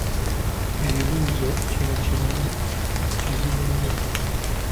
Ebibuuzo kino kizibu nnyo.